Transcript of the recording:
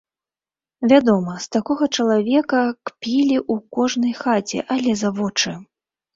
Вядома, з такога чалавека кпілі ў кожнай хаце, але за вочы.